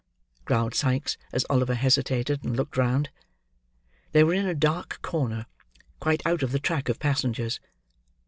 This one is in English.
growled Sikes, as Oliver hesitated, and looked round. They were in a dark corner, quite out of the track of passengers.